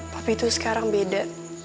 tapi itu sekarang beda